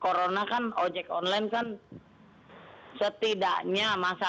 kami menghubungkan akses kami menghubungkan harapan kami menghubungkan segala segalanya di jalanan ya